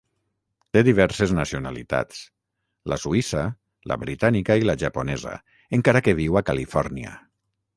Té diverses nacionalitats, la suïssa, la britànica i la japonesa, encara que viu a Califòrnia.